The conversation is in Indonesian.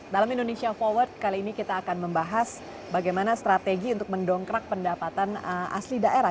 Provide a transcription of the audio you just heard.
dalam indonesia forward kali ini kita akan membahas bagaimana strategi untuk mendongkrak pendapatan asli daerah